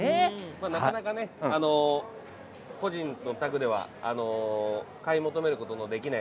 なかなか個人のお宅では買い求めることができない。